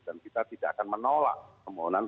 dan kita tidak akan menolak permohonan